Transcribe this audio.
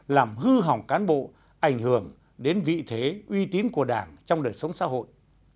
làm hư hỏng cán bộ ảnh hưởng đến vị thế uy tín của đảng trong đời sống xã hội